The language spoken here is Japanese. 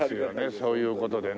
そういう事でね。